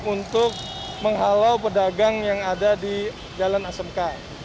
untuk menghalau pedagang yang ada di jalan asmk